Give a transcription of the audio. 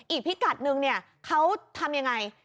อีกพิกัดนึงเนี่ยเขาทำยังไง